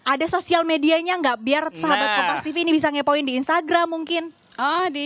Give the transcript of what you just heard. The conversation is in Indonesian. ntar sosial medianya enggak biar sahabat kopak tv ini bisa ngepoin di instagram mungkin oh di